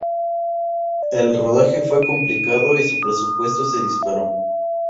El rodaje fue complicado y su presupuesto se disparó.